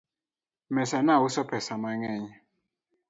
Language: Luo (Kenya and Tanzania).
Mesa nousi pesa mang'eny